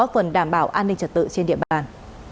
và các linh trật tự trên địa bàn